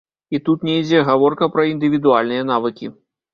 І тут не ідзе гаворка пра індывідуальныя навыкі.